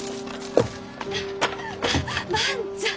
万ちゃん！